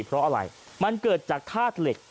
เพราะอะไรมันเกิดจากธาตุเหล็ก